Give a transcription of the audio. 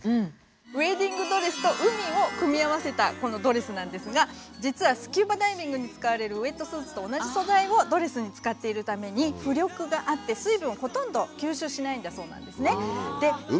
ウエディングドレスと海を組み合わせたこのドレスなんですが実はスキューバダイビングに使われるウエットスーツと同じ素材をドレスに使っているために浮力があって水分をほとんど吸収しないんだそうなんですね。